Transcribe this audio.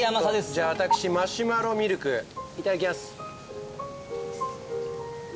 じゃあ私マシュマロミルクいただきます。